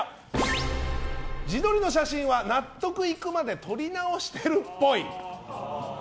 自撮りの写真は納得いくまで撮り直してるっぽい。